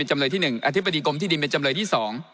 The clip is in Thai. จำเลยที่๑อธิบดีกรมที่ดินเป็นจำเลยที่๒